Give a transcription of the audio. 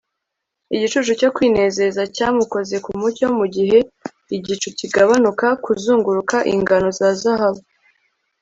Igicucu cyo kwinezeza cyamukoze ku mucyo mugihe igicu kigabanuka kuzunguruka ingano za zahabu